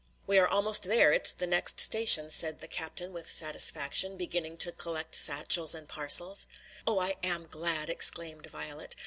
"We are almost there; it's the next station," said the captain with satisfaction, beginning to collect satchels and parcels. "Oh, I am glad!" exclaimed Violet.